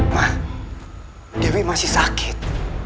mah dewi masih sakit